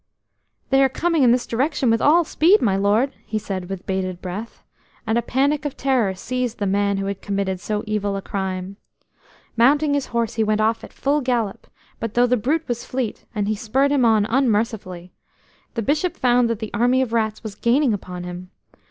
"They are coming in this direction with all speed, my lord!" he said with bated breath, and a panic of terror seized the man who had committed so evil a crime. Mounting his horse, he went off at full gallop; but though the brute was fleet, and he spurred him on unmercifully, the Bishop found that the army of rats was gaining upon him.